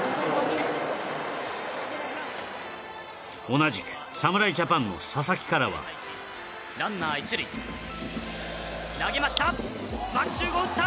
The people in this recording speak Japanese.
同じく侍ジャパンの佐々木からはランナー１塁投げました牧秀悟打った！